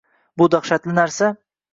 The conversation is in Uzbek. Bu dahshatli narsa